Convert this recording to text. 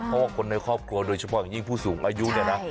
เพราะว่าคนในครอบครัวโดยเฉพาะอย่างยิ่งผู้สูงอายุเนี่ยนะ